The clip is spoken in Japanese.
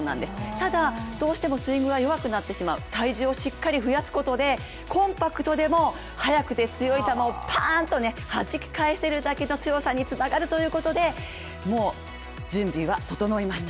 ただどうしてもスイングが弱くなってしまう体重をしっかり増やすことでコンパクトでも速くて強い球をパーンとはじき返せる強さにつながるということでもう準備は整いました。